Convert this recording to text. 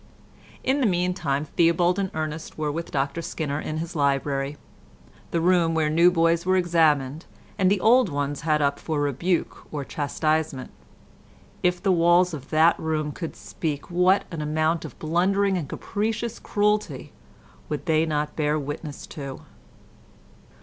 In the meantime Theobald and Ernest were with Dr Skinner in his library—the room where new boys were examined and old ones had up for rebuke or chastisement. If the walls of that room could speak, what an amount of blundering and capricious cruelty would they not bear witness to!